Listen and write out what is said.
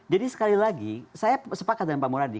jadi sekali lagi saya sepakat dengan pak muradi